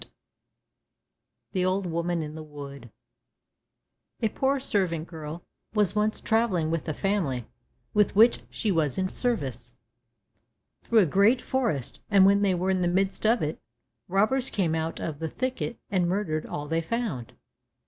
123 The Old Woman in the Wood A poor servant girl was once travelling with the family with which she was in service, through a great forest, and when they were in the midst of it, robbers came out of the thicket, and murdered all they found.